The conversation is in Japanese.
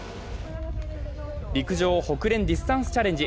陸上、ホクレン・ディスタンスチャレンジ。